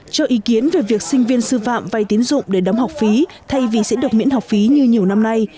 cho ý kiến về việc sinh viên sư phạm vay tiến dụng để đóng học phí thay vì sẽ được miễn học phí như nhiều năm nay